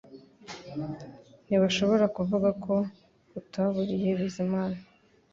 Ntibashobora kuvuga ko utaburiye Bizimana